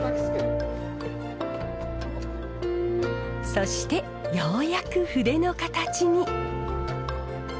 そしてようやく筆の形に。